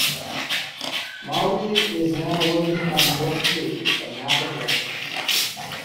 Mawi is now working on book two: The Map of Legends.